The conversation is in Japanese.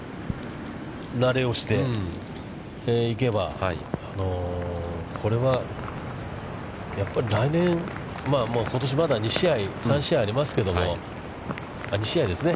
慣れをしていけば、これはやっぱり来年、ことし、まだ２試合、３試合ありますけども、２試合ですね。